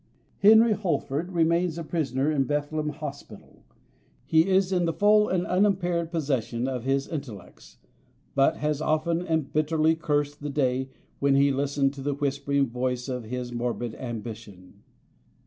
Henry Holford remains a prisoner in Bethlem Hospital. He is in the full and unimpaired possession of his intellects, but has often and bitterly cursed the day when he listened to the whispering voice of his morbid ambition.